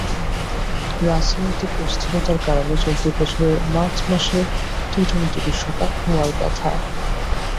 রাজনৈতিক অস্থিরতার কারণে চলতি বছরের মার্চ মাসে টি-টোয়েন্টি বিশ্বকাপ হওয়ার কথা।